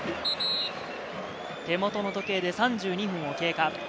手元の時計で３２分を経過。